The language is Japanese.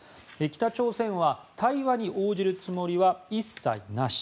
北朝鮮は対話に応じるつもりは一切なし。